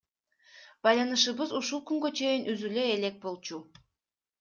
Байланышыбыз ушул күнгө чейин үзүлө элек болчу.